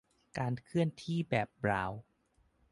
"การเคลื่อนที่แบบบราวน์"